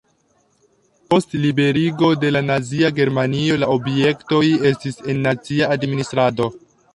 Post liberigo de la nazia Germanio la objektoj estis en nacia administrado.